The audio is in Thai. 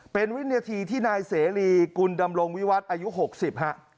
เป็นวินาทีที่นายเสรีกุลดำรงวิวัฒน์อายุ๖๐ฮะ